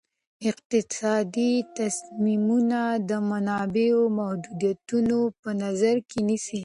اقتصادي تصمیمونه د منابعو محدودیتونه په نظر کې نیسي.